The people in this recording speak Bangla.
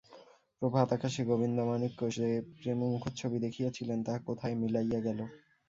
প্রভাত-আকাশে গোবিন্দমাণিক্য যে প্রেমমুখচ্ছবি দেখিয়াছিলেন তাহা কোথায় মিলাইয়া গেল।